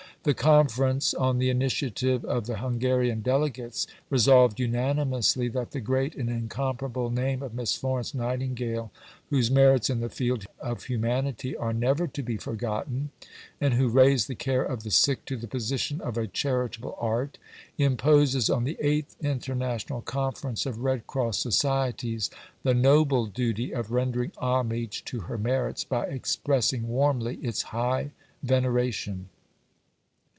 The Conference, on the initiative of the Hungarian delegates, resolved unanimously that "the great and incomparable name of Miss Florence Nightingale, whose merits in the field of humanity are never to be forgotten, and who raised the care of the sick to the position of a charitable art, imposes on the Eighth International Conference of Red Cross Societies the noble duty of rendering homage to her merits by expressing warmly its high veneration."